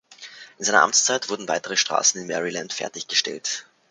In seiner Amtszeit wurden weitere Straßen in Maryland fertiggestellt.